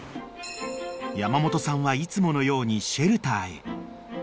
［山本さんはいつものようにシェルターへ］